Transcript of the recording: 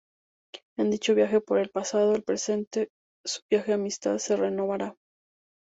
En dicho viaje por el pasado en el presente, su vieja amistad se renovará.